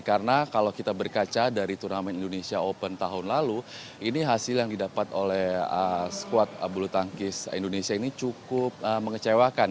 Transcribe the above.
karena kalau kita berkaca dari turnamen indonesia open tahun lalu ini hasil yang didapat oleh squad pebulu tangkis indonesia ini cukup mengecewakan